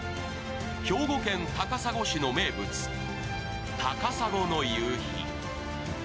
兵庫県高砂市の名物、高砂の夕日。